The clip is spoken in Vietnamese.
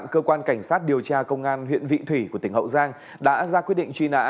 cơ quan cảnh sát điều tra công an huyện vị thủy của tỉnh hậu giang đã ra quyết định truy nã